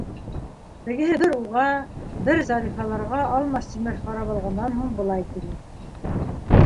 Тегеһе бер уға, бер Зарифаларға алмаш-тилмәш ҡарап алғандан һуң былай тине: